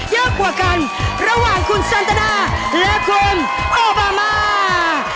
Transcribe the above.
กว่ากันระหว่างคุณสันตดาและคุณโอบามา